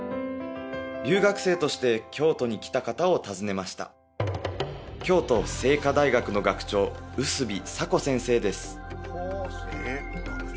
留学生として京都に来た方を訪ねました京都精華大学の学長ウスビ・サコ先生です